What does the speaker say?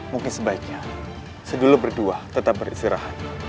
mungkin sebaiknya sedulu berdua tetap beristirahat